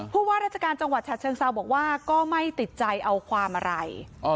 ว่าราชการจังหวัดฉะเชิงเซาบอกว่าก็ไม่ติดใจเอาความอะไร